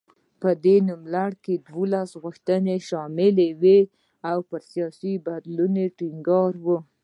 په دې نوملړ کې دولس غوښتنې شاملې وې او پر سیاسي بدلون ټینګار و.